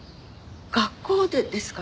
学校でですか？